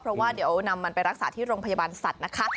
เพราะว่าเดี๋ยวนำมันไปรักษาที่โรงพยาบาลสัตว์นะคะ